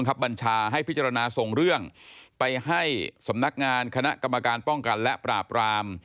บัญชาให้พิจารณาส่งเรื่องไปให้สำนักงานคณะกรรมการป้องกันและปราบราม